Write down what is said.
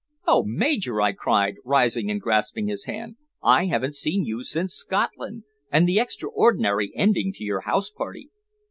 "Oh, Major!" I cried, rising and grasping his hand. "I haven't seen you since Scotland, and the extraordinary ending to your house party."